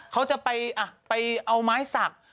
เขาจะไปเอาไม้สัก